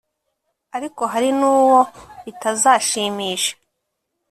ariko hari n’uwo bitazashimisha